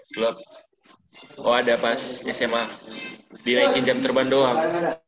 klub oh ada pas sma dinaikin jam terbang doang